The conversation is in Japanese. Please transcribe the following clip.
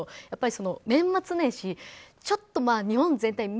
やっぱり年末年始ちょっと日本全体